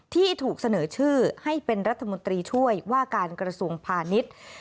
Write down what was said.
ที่ถูกเสนอชื่อให้เป็นรัฐมนตรีช่วยว่าการกระทรวงพาณิชย์